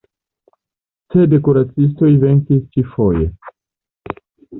Sed kuracistoj venkis ĉifoje.